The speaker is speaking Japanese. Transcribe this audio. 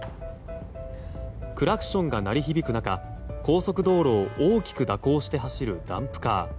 クラクションが鳴り響く中高速道路を大きく蛇行して走るダンプカー。